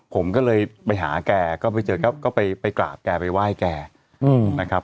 ผมก็เลยไปหาแกก็ไปเจอก็ไปกราบแกไปไหว้แกนะครับ